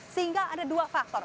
sehingga ada dua faktor